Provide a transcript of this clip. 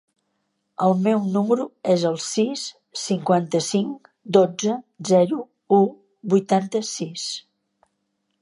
El meu número es el sis, cinquanta-cinc, dotze, zero, u, vuitanta-sis.